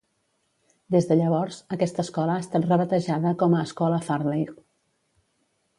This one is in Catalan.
Des de llavors, aquesta escola ha estat rebatejada com a escola Farleigh.